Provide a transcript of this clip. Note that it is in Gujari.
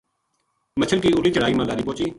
مچھل کی اُرلی چڑھائی ما لاری پوہچی